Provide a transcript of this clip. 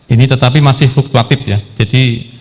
ini tetapi masih fluktuatif ya jadi